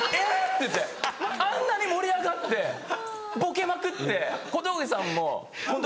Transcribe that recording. て言ってあんなに盛り上がってボケまくって小峠さんもホント。